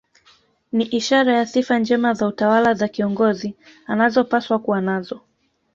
Ni ishara ya sifa njema za utawala za kiongozi anazopaswa kuwa nazo